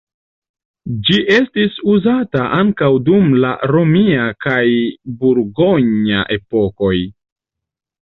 Ĝi estis uzata ankaŭ dum la romia kaj burgonja epokoj.